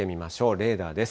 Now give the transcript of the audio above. レーダーです。